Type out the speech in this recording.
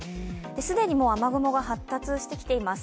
既に雨雲が発達してきています。